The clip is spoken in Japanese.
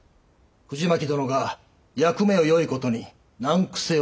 藤巻殿が役目をよいことに難癖をつけたと。